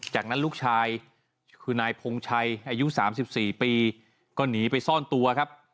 จากนั้นลูกชายคือนายพงชัยอายุ๓๔ปีก็หนีไปซ่อนตัวครับ